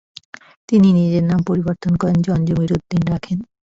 তিনি নিজের নাম পরিবর্তন করেন জন জমিরুদ্দীন রাখেন।